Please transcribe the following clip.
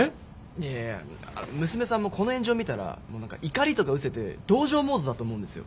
いやいや娘さんもこの炎上見たらもう何か怒りとか失せて同情モードだと思うんですよ。